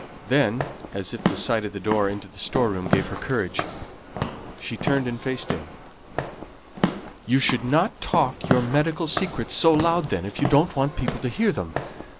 Then, as if the sight of the door into the store room gave her courage, she turned and faced him. "You should not talk your medical secrets so loud then, if you don't want people to hear them.